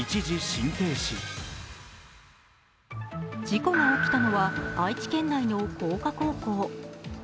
事故が起きたのは愛知県内の工科高校。